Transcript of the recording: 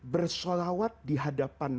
bersholawat di hadapan